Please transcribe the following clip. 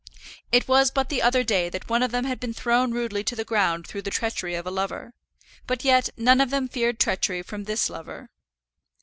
It was but the other day that one of them had been thrown rudely to the ground through the treachery of a lover, but yet none of them feared treachery from this lover.